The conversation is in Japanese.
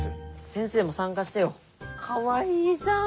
先生も参加してよ。かわいいじゃん！